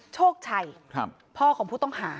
โชคชัยพ่อของผู้ต้องหา